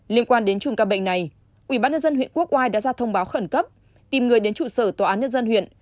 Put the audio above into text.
liên quan đến chùm ca bệnh này ubnd huyện quốc oai đã ra thông báo khẩn cấp tìm người đến trụ sở tòa án nhân dân huyện